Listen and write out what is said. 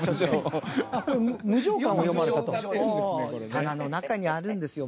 棚の中にあるんですよ